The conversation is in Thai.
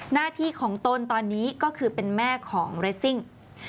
หน้าที่ของตนตอนนี้ก็คือเป็นแม่ของเรสซิ่ง